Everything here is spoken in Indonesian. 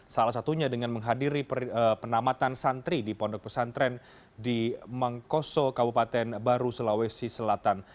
salah satunya dengan menghadiri penamatan santri di pondok pesantren di mangkoso kabupaten baru sulawesi selatan